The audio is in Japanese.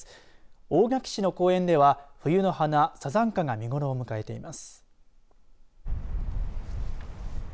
大垣市の公園では冬の華さざんかが見頃を迎えています。